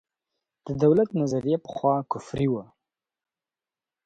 د دولت نظریه پخوا کفري وه.